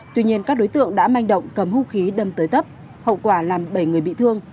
tuy nhiên các đối tượng đã manh động cầm hung khí đâm tới tấp hậu quả làm bảy người bị thương